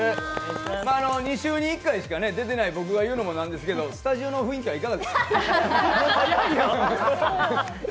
２週に１回しか出てない僕が言うのも何なんですけどスタジオの雰囲気はいかがですか？